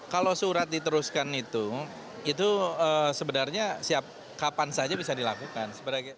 kalau surat diteruskan itu itu sebenarnya kapan saja bisa dilakukan